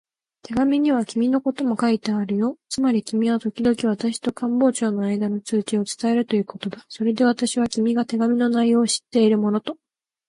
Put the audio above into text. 手紙には君のことも書いてあるよ。つまり君はときどき私と官房長とのあいだの通知を伝えるということだ。それで私は、君が手紙の内容を知っているものと